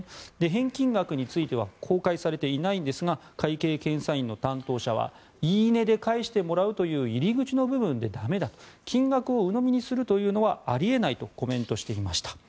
返金額については公開されていないんですが会計検査院の担当者は言い値で返してもらうという入り口の部分で駄目だ金額をうのみにするというのはあり得ないとコメントしていました。